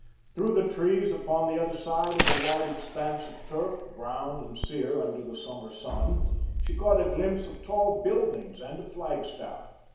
Through the trees upon the other side of a wide expanse of turf, brown and sear under the summer sun, she caught a glimpse of tall buildings and a flagstaff.